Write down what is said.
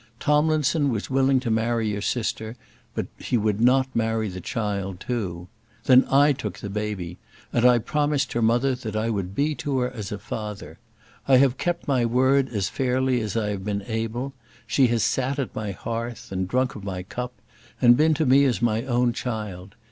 Tomlinson was willing to marry your sister, but he would not marry the child too. Then I took the baby, and I promised her mother that I would be to her as a father. I have kept my word as fairly as I have been able. She has sat at my hearth, and drunk of my cup, and been to me as my own child.